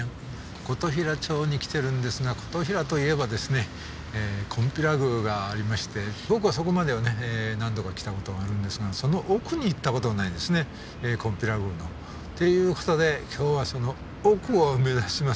琴平町に来てるんですが琴平といえばですねこんぴら宮がありまして僕はそこまではね何度か来たことがあるんですがその奥に行ったことがないんですねこんぴら宮の。っていうことで今日はその奥を目指します。